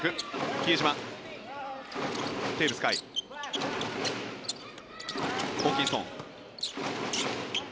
比江島、テーブス海ホーキンソン。